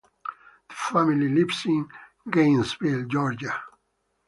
The family lives in Gainesville, Georgia.